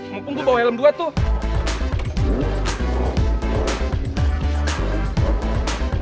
mumpung gue bawa helm dua tuh